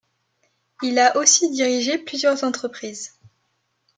Il a aussi dirigé plusieurs entreprises.